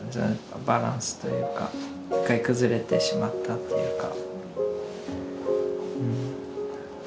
バランスというか一回崩れてしまったっていうか。